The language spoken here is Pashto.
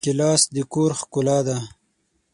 ګیلاس د کور ښکلا ده.